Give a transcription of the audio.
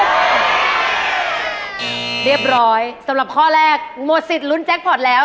เรียบร้อยสำหรับข้อแรกหมดสิทธิ์ลุ้นแจ็คพอร์ตแล้ว